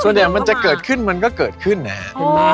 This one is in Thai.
ส่วนใหญ่มันจะเกิดขึ้นมันก็เกิดขึ้นนะฮะ